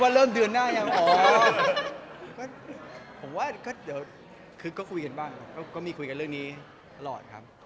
มันถึงขั้นตอนไหนแล้วครับพี่ยุไปพี่โต๊ะ